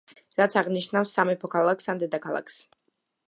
რაც აღნიშნავს სამეფო ქალაქს ან დედაქალაქს.